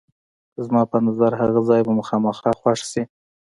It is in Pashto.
زما په نظر هغه ځای به مو خامخا خوښ شي.